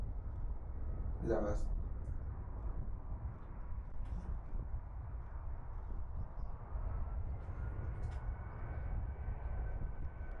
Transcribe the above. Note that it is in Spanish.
Las aerolíneas integrarán sus horarios para crear conexiones convenientes con las redes de otras.